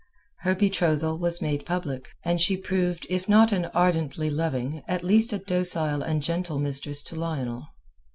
Her betrothal was made public, and she proved if not an ardently loving, at least a docile and gentle mistress to Lionel.